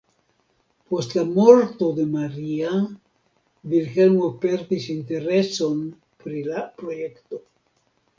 Post la morto de Maria, Vilhelmo perdis intereson pri la projekto.